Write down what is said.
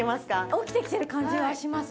起きてきてる感じはします。